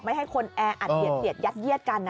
ไม่ให้คนแอดเผลอยัดเยี้ยดกันนะค่ะ